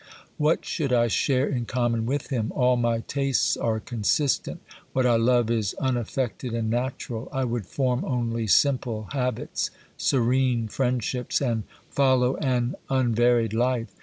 What should I share in common with him ? All my tastes are consistent ; what I love is unaffected and natural ; I would form only simple habits, serene friendships, and follow an unvaried life.